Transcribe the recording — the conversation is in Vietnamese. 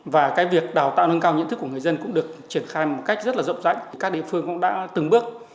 và cái việc đào tạo nâng cao nhận thức của người dân cũng được triển khai một cách rất là rộng rãi thì các địa phương cũng đã từng bước